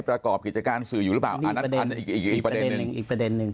ประกอบกิจการสื่ออยู่หรือเปล่าอันนั้นทันอีกประเด็นนึงอีกประเด็นหนึ่ง